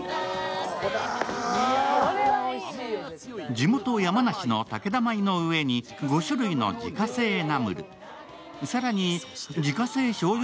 地元・山梨の武田米の上に５種類の自家製ナムル、更に自家製しょうゆ